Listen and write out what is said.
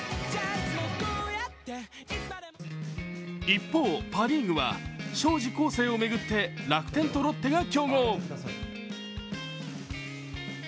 一方、パ・リーグは荘司康誠を巡って楽天とロッテが競合。